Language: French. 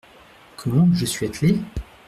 Comment, je suis attelée ?